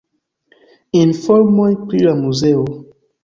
Informoj pri la muzeo.